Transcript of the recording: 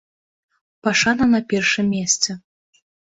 Пашана на першым месцы.